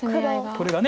これが。